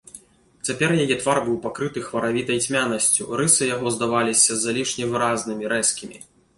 Цяпер яе твар быў пакрыты хваравітай цьмянасцю, рысы яго здаваліся залішне выразнымі, рэзкімі.